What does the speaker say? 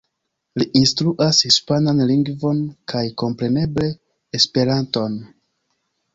Li instruas hispanan lingvon, kaj kompreneble Esperanton.